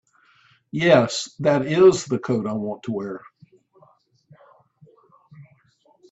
Yes, that IS the coat I want to wear.